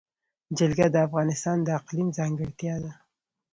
جلګه د افغانستان د اقلیم ځانګړتیا ده.